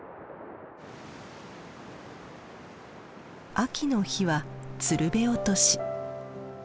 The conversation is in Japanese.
秋の日はつるべ落とし。